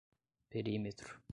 perímetro